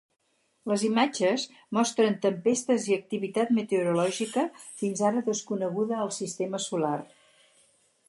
Les imatges mostren tempestes i activitat meteorològica fins ara desconeguda al sistema solar.